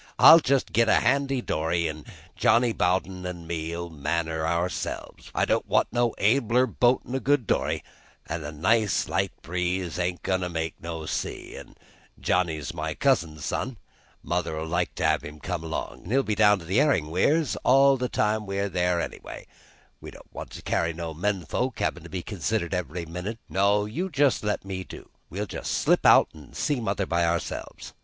I'll just git a handy dory, an' Johnny Bowden an' me, we'll man her ourselves. I don't want no abler bo't than a good dory, an' a nice light breeze ain't goin' to make no sea; an' Johnny's my cousin's son, mother'll like to have him come; an' he'll be down to the herrin' weirs all the time we're there, anyway; we don't want to carry no men folks havin' to be considered every minute an' takin' up all our time. No, you let me do; we'll just slip out an' see mother by ourselves.